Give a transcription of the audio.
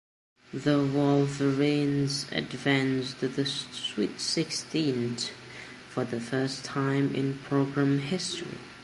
The Wolverines advanced to the Sweet Sixteen for the first time in program history.